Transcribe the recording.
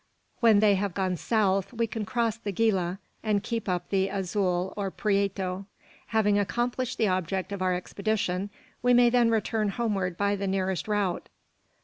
When they have gone south, we can cross the Gila, and keep up the Azul or Prieto. Having accomplished the object of our expedition, we may then return homeward by the nearest route."